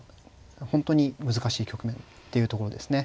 本当に難しい局面っていうところですね。